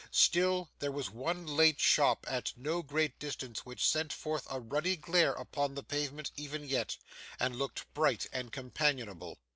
Still, there was one late shop at no great distance which sent forth a ruddy glare upon the pavement even yet, and looked bright and companionable.